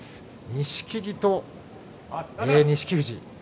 錦木と錦富士。